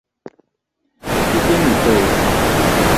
Tije ni thoth.